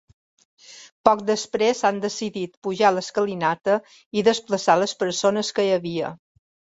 Poc després han decidit pujar l’escalinata i desplaçar les persones que hi havia.